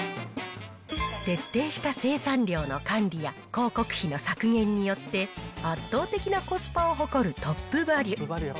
徹底した生産量の管理や広告費の削減によって、圧倒的なコスパを誇るトップバリュ。